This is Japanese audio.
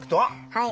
はい。